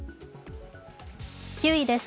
９位です。